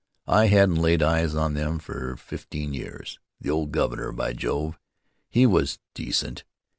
I hadn't laid eyes on them for fifteen years. ... The old governor — by Jove! he was decent.